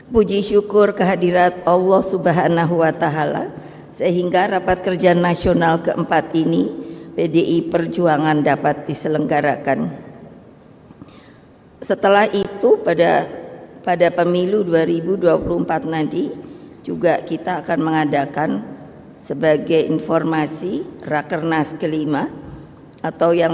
puji syukur kehadirat allah swt sehingga rapat kerja nasional ke empat ini bdi perjuangan dapat diselenggarakan